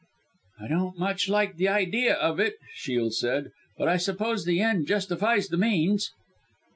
"I don't much like the idea of it," Shiel said, "but I suppose the end justifies the means."